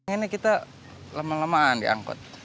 ini kita lama lamaan diangkut